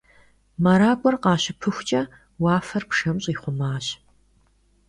МэракӀуэ къащыпыхукӀэ, уафэр пшэм щӀихъумащ.